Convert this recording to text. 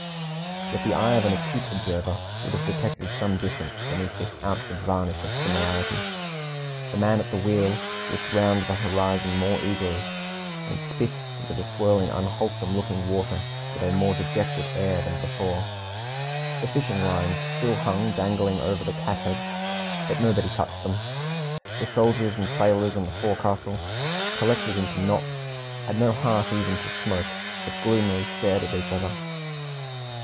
Yet the eye of an acute observer would have detected some difference beneath this outward varnish of similarity. The man at the wheel looked round the horizon more eagerly, and spit into the swirling, unwholesome looking water with a more dejected air than before. The fishing lines still hung dangling over the catheads, but nobody touched them. The soldiers and sailors on the forecastle, collected in knots, had no heart even to smoke, but gloomily stared at each other.